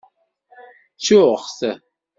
Ttuɣ-t.